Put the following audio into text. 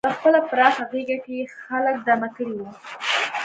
په خپله پراخه غېږه کې یې خلک دمه کړي وو.